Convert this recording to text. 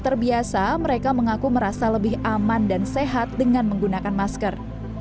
terbiasa mereka mengaku merasa lebih aman dan sehat dengan menggunakan masker